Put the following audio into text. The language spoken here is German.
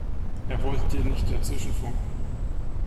Er wollte dir nicht dazwischenfunken.